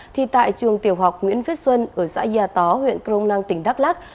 thì tại trường tiểu học nguyễn phiết xuân ở xã gia tó huyện công năng tỉnh đắk lắc